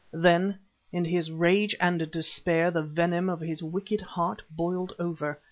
Then, in his rage and despair, the venom of his wicked heart boiled over.